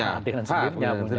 ya adegan sendiri punya